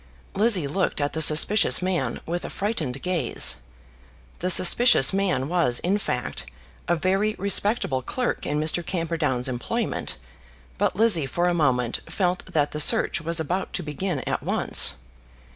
Lizzie looked at the suspicious man with a frightened gaze. The suspicious man was, in fact, a very respectable clerk in Mr. Camperdown's employment, but Lizzie for a moment felt that the search was about to begin at once.